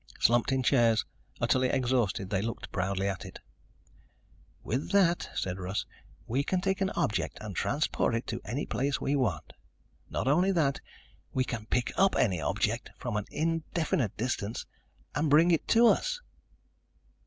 Slumped in chairs, utterly exhausted, they looked proudly at it. "With that," said Russ, "we can take an object and transport it any place we want. Not only that, we can pick up any object from an indefinite distance and bring it to us."